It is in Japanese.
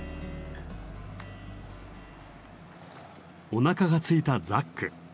おなかがすいたザック。